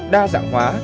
đa dạng hóa